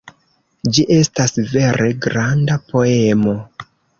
Ĝi estas vere "granda" poemo.